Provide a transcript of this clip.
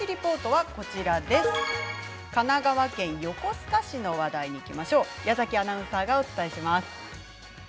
ＲＥＰＯＲＴ」は神奈川県横須賀市の話題にいきましょう矢崎アナウンサーがお伝えします。